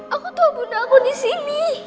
aku tua bunda aku di sini